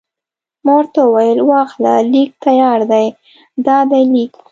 ما ورته وویل: واخله، لیک تیار دی، دا دی لیک.